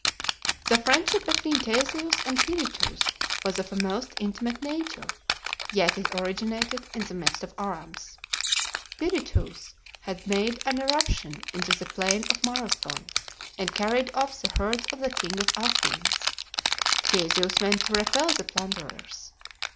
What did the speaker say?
The friendship between Theseus and Pirithous was of a most intimate nature, yet it originated in the midst of arms. Pirithous had made an irruption into the plain of Marathon, and carried off the herds of the king of Athens. Theseus went to repel the plunderers.